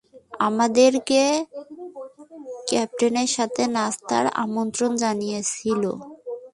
আমাদেরকে ক্যাপ্টেনের সাথে নাস্তার আমন্ত্রণ জানিয়েছিল।